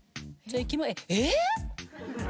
「えっ？